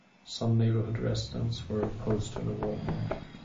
Some neighborhood residents were opposed to the Walmart.